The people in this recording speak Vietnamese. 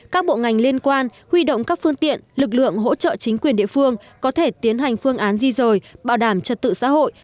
chính quyền địa phương có thể tiến hành phương án di rời bảo đảm trật tự xã hội